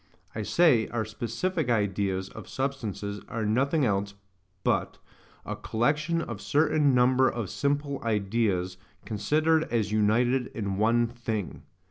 I say, our SPECIFIC ideas of substances are nothing else but A COLLECTION OF CERTAIN NUMBER OF SIMPLE IDEAS, CONSIDERED AS UNITED IN ONE THING.